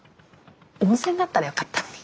温泉だったらよかったのに。